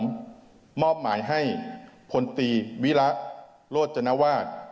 ท์มอบหมายให้ผลตีวีระโลชนวาด